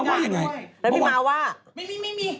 หรือฉันดูแองจีก็ได้